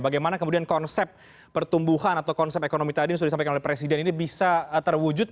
bagaimana kemudian konsep pertumbuhan atau konsep ekonomi tadi yang sudah disampaikan oleh presiden ini bisa terwujud